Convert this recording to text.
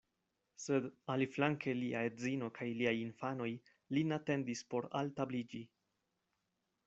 Sed aliflanke lia edzino kaj liaj infanoj lin atendis por altabliĝi.